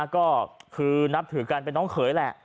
ก็คือนับถือกันเป็นน้องเขยแหละ